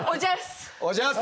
おじゃす！